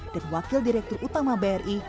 dan wakil direktur utama bri